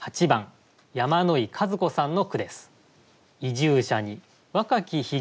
８番山野井和子さんの句です。